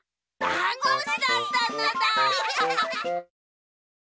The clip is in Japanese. だんごむしだったのだ！